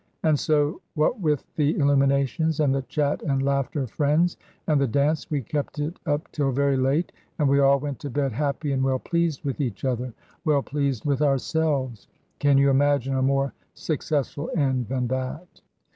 And so, what with the illuminations, and the chat and laughter of friends, and the dance, we kept it up till very late; and we all went to bed happy and well pleased with each other, well pleased with ourselves. Can you imagine a more successful end than that?